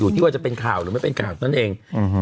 ที่ว่าจะเป็นข่าวหรือไม่เป็นข่าวนั่นเอง